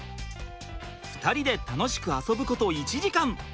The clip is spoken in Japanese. ２人で楽しく遊ぶこと１時間。